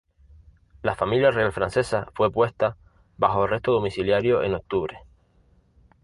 La Familia Real Francesa fue puesta bajo arresto domiciliario en octubre.